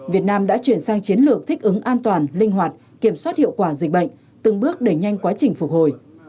việt nam đã chuyển sang chiến lược thích ứng an toàn linh hoạt kiểm soát hiệu quả dịch bệnh từng bước đẩy nhanh quá trình phục hồi